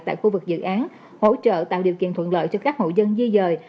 tại khu vực dự án hỗ trợ tạo điều kiện thuận lợi cho các hộ dân di dời